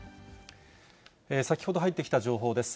先ほど入ってきた情報です。